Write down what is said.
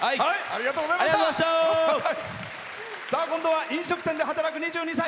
今度は飲食店で働く２２歳。